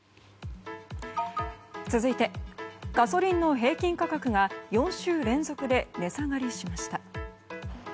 続いてガソリンの平均価格が４週連続で値下がりしました。